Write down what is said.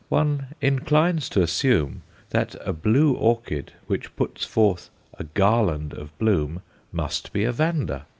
One inclines to assume that a blue orchid which puts forth a "garland" of bloom must be a Vanda.